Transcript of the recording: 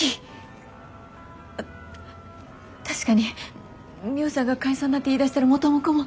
確かにミホさんが解散なんて言いだしたら元も子も。